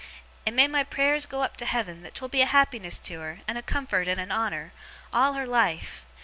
And may my prayers go up to Heaven that 'twill be a happiness to her, and a comfort, and a honour, all her life!